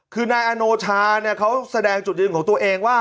คือนายอโนชาเขาแสดงจุดยืนของตัวเองว่า